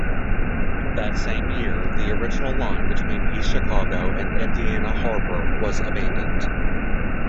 That same year, the original line between East Chicago and Indiana Harbor was abandoned.